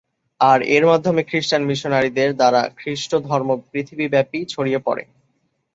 আর এর মাধ্যমে খ্রিস্টান মিশনারিদের দ্বারা খ্রিস্ট ধর্ম পৃথিবীব্যাপী ছড়িয়ে পরে।